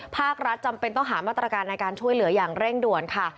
ภาครัฐจำเป็นต้องหามาตรการในการช่วยเหลืออย่างเร่งด่วนค่ะ